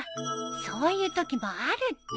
そういうときもあるって。